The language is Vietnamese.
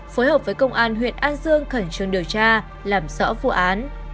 phối hợp với công an huyện an dương khẩn trương điều tra làm rõ vụ án